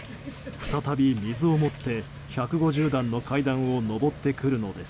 再び水を持って１５０段の階段を上ってくるのです。